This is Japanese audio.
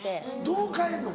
どう変えんの？